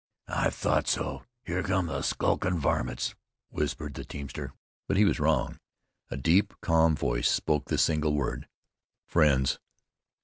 "I thought so! Here comes the skulkin' varmints," whispered the teamster. But he was wrong. A deep, calm voice spoke the single word: "Friends."